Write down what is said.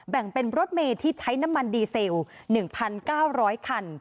แบ่งเป็นรถเมย์ที่ใช้น้ำมันดีเซล๑๙๐๐คัน